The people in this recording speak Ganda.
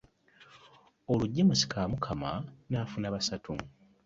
Olwo James Kamukama n'afuna busatu